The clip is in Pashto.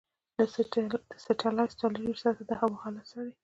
دا سټلایټ څلورویشت ساعته د هوا حالت څاري.